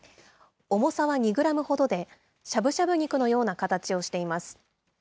重さは２グラムほどで、しゃぶしゃぶ肉のような形をしています。